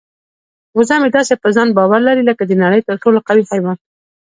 وزه مې داسې په ځان باور لري لکه د نړۍ تر ټولو قوي حیوان.